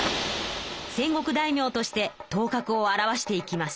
戦国大名として頭角を現していきます。